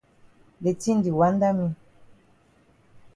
De tin di wanda me.